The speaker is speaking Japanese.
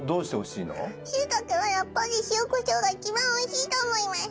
しいたけはやっぱり塩こしょうが一番美味しいと思います。